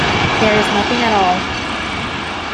There is nothing at all.